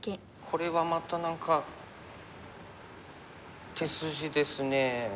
これはまた何か手筋ですね。